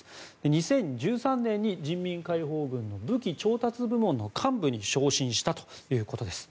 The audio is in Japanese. ２０１３年に人民解放軍の武器調達部門の幹部に昇進したということです。